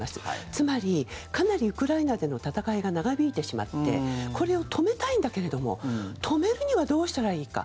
つまり、かなりウクライナでの戦いが長引いてしまってこれを止めたいんだけれども止めるにはどうしたらいいか。